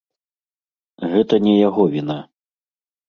Гэта не яго віна.